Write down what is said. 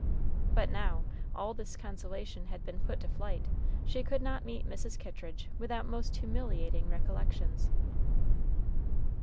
But now, all this consolation had been put to flight; she could not meet Mrs. Kittridge without most humiliating recollections.